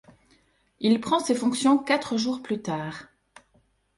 Il prend ses fonctions quatre jours plus tard.